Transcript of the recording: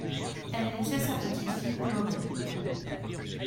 Elle laissait sa petite-fille pleurer.